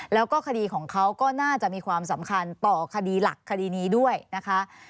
แล้วก็คดีของเขาก็น่าจะมีความสำคัญต่อคดีหลักคดีนี้ด้วยนะคะ